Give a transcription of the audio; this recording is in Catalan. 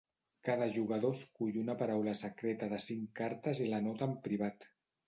Cada jugador escull una paraula secreta de cinc cartes i l'anota en privat.